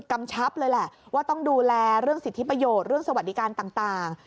กำชับเลยแหละว่าต้องดูแลเรื่องสิทธิประโยชน์เรื่องสวัสดิการต่าง